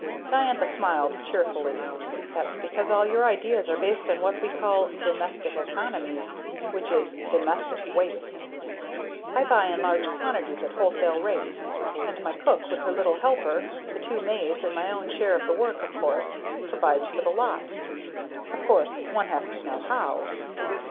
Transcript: Diantha smiled cheerfully. "That's because all your ideas are based on what we call 'domestic economy,' which is domestic waste. I buy in large quantities at wholesale rates, and my cook with her little helper, the two maids, and my own share of the work, of course, provides for the lot. Of course one has to know how."